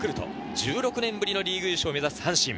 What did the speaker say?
１６年ぶりのリーグ優勝を目指す阪神。